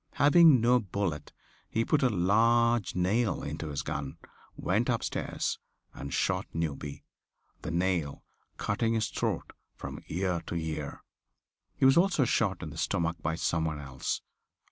Having no bullet he put a large nail into his gun, went up stairs and shot Newby, the nail cutting his throat from ear to ear. He was also shot in the stomach by some one else.